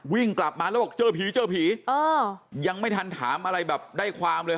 วิ่งกลับมาแล้วบอกเจอผีเจอผียังไม่ทันถามอะไรแบบได้ความเลย